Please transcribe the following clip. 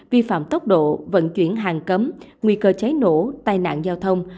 vi phạm tốc độ vận chuyển hàng cấm nguy cơ cháy nổ tai nạn giao thông